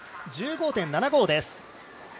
１５．７５です。